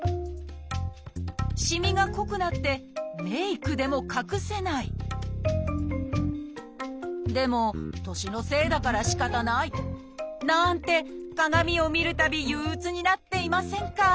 しみが濃くなってメークでも隠せないでも年のせいだからしかたないなんて鏡を見るたび憂うつになっていませんか？